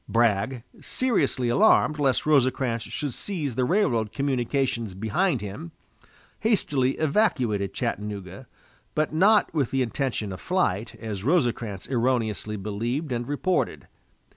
Bragg, seriously alarmed lest Rosecrans should seize the railroad communications behind him, hastily evacuated Chattanooga, but not with the intention of flight, as Rosecrans erroneously believed and reported.